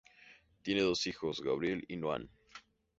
Tienen dos hijos, Gabriel y Noah.